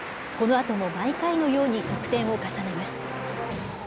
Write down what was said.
このあとも毎回のように得点を重ねます。